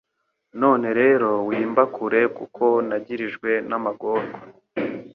None rero wimba kure kuko nagirijwe n’amagorwa